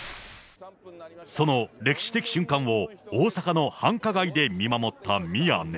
その歴史的瞬間を、大阪の繁華街で見守った宮根。